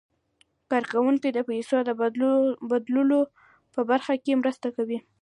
کارکوونکي د پيسو د بدلولو په برخه کې مرسته کوي.